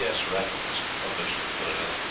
S. Rafinesque published in Philadelphia, Pa.